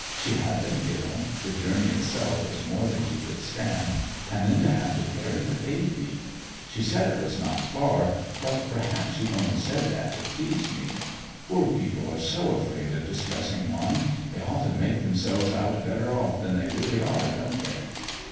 She had been ill; the journey itself was more than she could stand; and then to have to carry the baby! She said it was not far, but perhaps she only said that to please me. Poor people are so afraid of distressing one; they often make themselves out better off than they really are, don't they?"